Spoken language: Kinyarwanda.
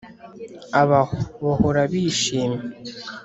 abaho bahora bishimye